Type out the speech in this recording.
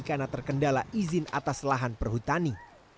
karena terkendala izin atas lahan perhutani